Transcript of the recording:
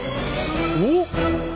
おっ？